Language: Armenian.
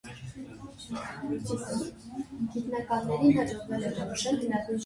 Որպես ուսանող, նա մասնակցում էր քոլեջի կողմից կազմակերպված բոլոր մաթեմատիկայի դասընթացներին։